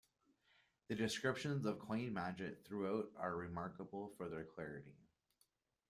The descriptions of coin magic throughout are remarkable for their clarity.